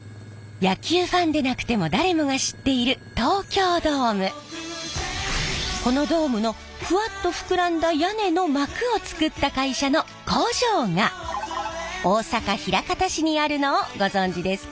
野球ファンでなくても誰もが知っているこのドームのフワッと膨らんだ屋根の膜を作った会社の工場が大阪・枚方市にあるのをご存じですか？